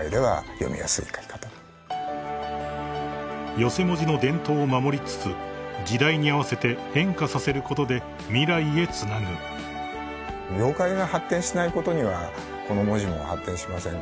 ［寄席文字の伝統を守りつつ時代に合わせて変化させることで未来へつなぐ］やはりこの。